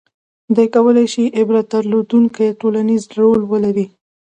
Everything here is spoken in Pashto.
• دې کولای شي عبرت درلودونکی ټولنیز رول ولري.